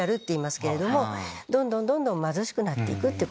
どんどんどんどん貧しくなっていく。